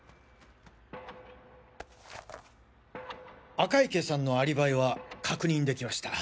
赤池さんのアリバイは確認できました。